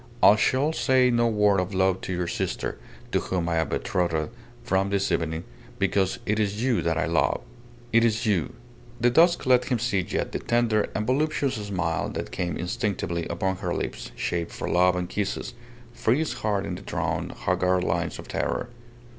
"I shall say no word of love to your sister, to whom I am betrothed from this evening, because it is you that I love. It is you!" ... The dusk let him see yet the tender and voluptuous smile that came instinctively upon her lips shaped for love and kisses, freeze hard in the drawn, haggard lines of terror.